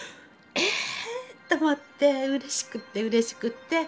えっと思ってうれしくてうれしくて。